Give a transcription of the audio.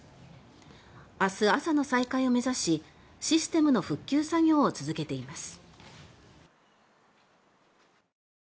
明日朝の再開を目指しシステムの復旧作業を続けています。